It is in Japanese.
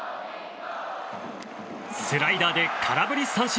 スライダーで空振り三振！